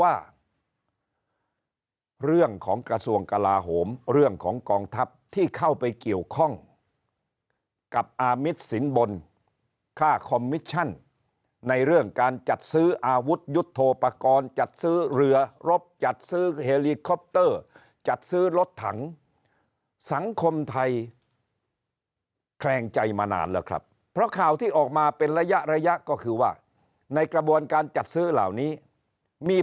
ว่าเรื่องของกระทรวงกลาโหมเรื่องของกองทัพที่เข้าไปเกี่ยวข้องกับอามิตสินบนค่าคอมมิชชั่นในเรื่องการจัดซื้ออาวุธยุทธโทปกรณ์จัดซื้อเรือรบจัดซื้อเฮลีคอปเตอร์จัดซื้อรถถังสังคมไทยแคลงใจมานานแล้วครับเพราะข่าวที่ออกมาเป็นระยะระยะก็คือว่าในกระบวนการจัดซื้อเหล่านี้มี